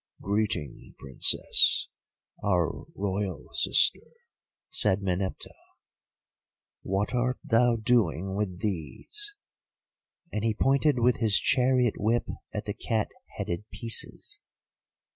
"'Greeting, Princess, our Royal sister,' said Meneptah. 'What art thou doing with these?' and he pointed with his chariot whip at the cat headed pieces.